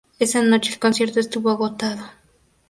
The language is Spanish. Esa noche el concierto estuvo agotado.